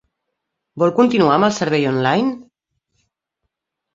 Vol continuar amb el servei online?